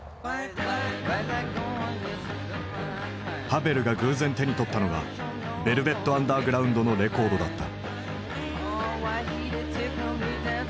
ハヴェルが偶然手に取ったのがヴェルヴェット・アンダーグラウンドのレコードだった。